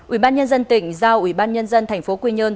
ủy ban nhân dân tỉnh giao ủy ban nhân dân thành phố quy nhơn